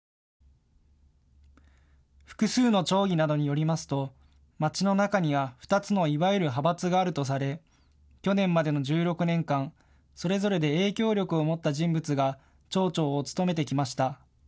複数の町議などによりますと町の中には２つのいわゆる派閥があるとされ、去年までの１６年間、それぞれで影響力を持った人物が町長を務めてきました。